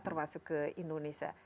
termasuk ke indonesia